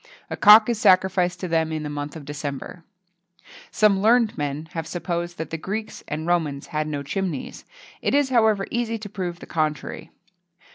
A cock is sacrificed to them in the month of December.[XXII 55] Some learned men have supposed that the Greeks and Romans had no chimneys; it is, however, easy to prove the contrary.